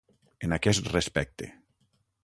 En aquest respecte.